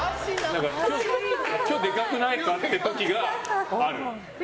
何か今日でかくないかって時がある。